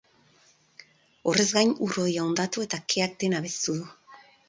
Horrez gain, ur-hodia hondatu da eta keak dena belztu du.